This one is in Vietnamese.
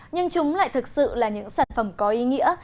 nhưng chúng lại thực sự là những sản phẩm có ý nghĩa